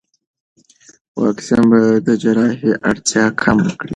واکسین به د جراحي اړتیا کم کړي.